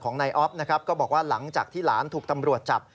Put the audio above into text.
คุณออฟก็บอกว่าหลังจากที่หลานถูกตำรวจจับ